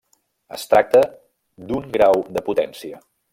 Es tracta d’un grau de potència.